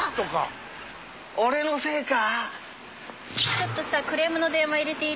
ちょっとさクレームの電話入れていい？